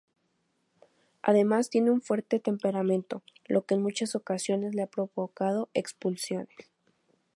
Además tiene un fuerte temperamento lo que en muchas ocasiones le ha provocado expulsiones.